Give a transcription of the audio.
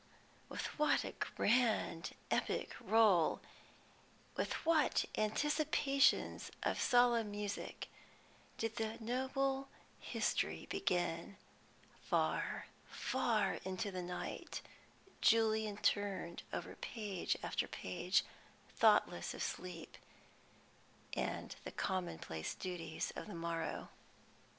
With what a grand epic roll, with what anticipations of solemn music, did the noble history begin! Far, far into the night Julian turned over page after page, thoughtless of sleep and the commonplace duties of the morrow.